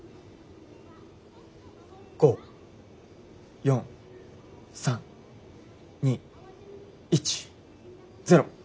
５４３２１０。